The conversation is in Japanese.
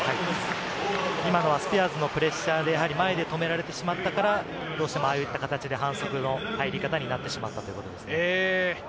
今のスピアーズのプレッシャーで前で止められてしまったから、どうしてもああいった形で反則の入り方になってしまったということですね。